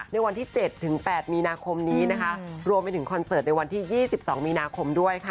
ในวันที่๗๘มีนาคมรวมไปถึงคอนเสิร์ตในวันที่๒๒มีนาคม